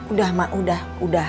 udah mak udah